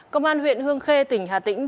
công an huyện hương khê tỉnh hà tĩnh